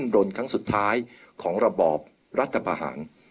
เพื่อยุดยั้งการสืบทอดอำนาจของขอสอชอต่อและยังพร้อมจะเป็นนายกรัฐมนตรี